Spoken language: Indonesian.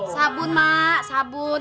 sabun mak sabun